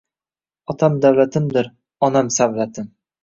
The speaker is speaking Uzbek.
Otam davlatimdir onam savlatim